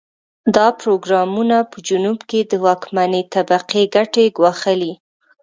دا پروګرامونه په جنوب کې د واکمنې طبقې ګټې ګواښلې.